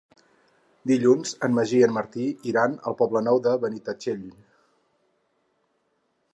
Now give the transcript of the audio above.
Dilluns en Magí i en Martí iran al Poble Nou de Benitatxell.